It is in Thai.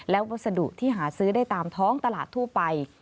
และวัสดุที่หาซื้อได้ตามท้องตลาดทั่วไป